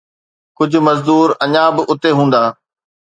ڪجهه مزدور اڃا به اتي هوندا